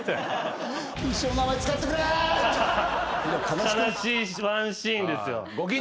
悲しいワンシーンですよ。